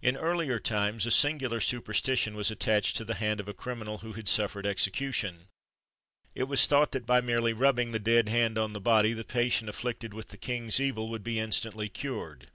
In earlier times, a singular superstition was attached to the hand of a criminal who had suffered execution. It was thought that by merely rubbing the dead hand on the body, the patient afflicted with the king's evil would be instantly cured.